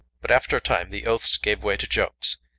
But after a time the oaths gave way to jokes.